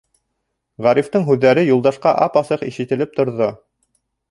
Ғарифтың һүҙҙәре Юлдашҡа ап-асыҡ ишетелеп торҙо.